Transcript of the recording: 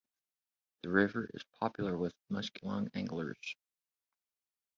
The river is popular with muskellunge anglers.